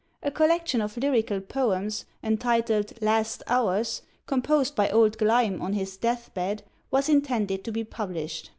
A collection of lyrical poems, entitled "Last Hours," composed by old Gleim on his death bed, was intended to be published.